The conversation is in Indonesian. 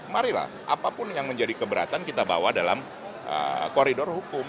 marilah apapun yang menjadi keberatan kita bawa dalam koridor hukum